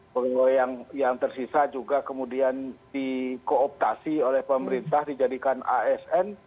pegawai yang tersisa juga kemudian dikooptasi oleh pemerintah dijadikan asn